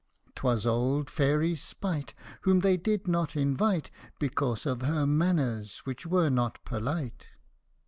" 'Twas old Fairy Spite, Whom they did not invite, Because of her manners, which were not polite.